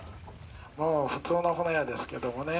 もう普通の舟屋ですけどもね。